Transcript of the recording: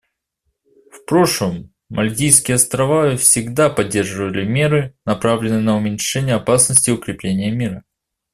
В прошлом Мальдивские Острова всегда поддерживали меры, направленные на уменьшение опасности и укрепление мира.